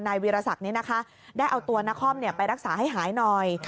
วีรศักดิ์ได้เอาตัวนครไปรักษาให้หายหน่อย